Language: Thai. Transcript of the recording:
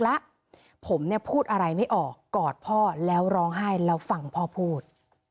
แล้วผมเนี่ยพูดอะไรไม่ออกกอดพ่อแล้วร้องไห้แล้วฟังพ่อพูด